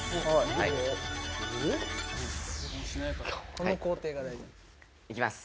この工程が大事なんだいきます